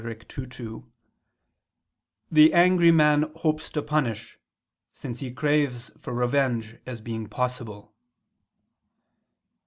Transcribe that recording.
ii, 2), "the angry man hopes to punish; since he craves for revenge as being possible."